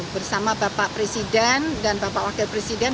bersama bapak presiden dan bapak wakil presiden